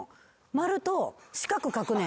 丸と四角描くねん。